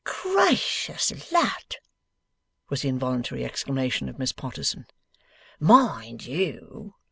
'Gracious Lud!' was the involuntary exclamation of Miss Potterson. 'Mind you!